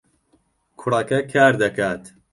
کوڕەکە کار دەکات.